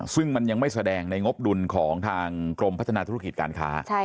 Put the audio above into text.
ซึ่งมันยังไม่แสดงในงบดุลของทางกรมพัฒนาธุรกิจการค้า